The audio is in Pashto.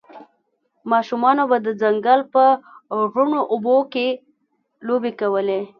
ماشومانو به د ځنګل په روڼو اوبو کې لوبې کولې